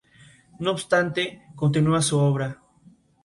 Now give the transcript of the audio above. Una serie de otros recursos puede ser ordenada por el tribunal.